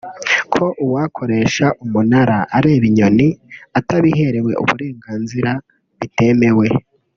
kuko uwakoresha umunara areba inyoni atabiherewe uburenganzira bitemewe